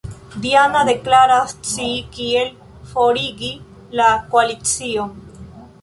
Diana deklaras scii kiel forigi la Koalicion.